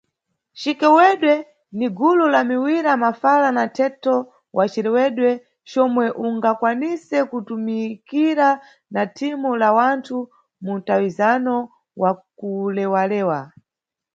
Cikewedwe ni gulu la miwira, mafala na mthetho wa cirewedwe comwe ungakwanise kutumikira na thimu la wanthu mu mtawizano wa kulewalewa.